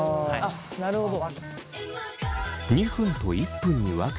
なるほど。